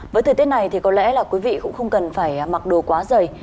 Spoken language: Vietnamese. với thời tiết này thì có lẽ là quý vị cũng không cần phải mặc đồ quá dày